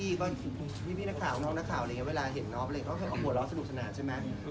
พี่นักข่าวน้องนักข่าวอะไรอย่างเงี้ยเวลาเห็นนอฟเลยก็เอาหัวเราะสะดุกสนานใช่มั้ย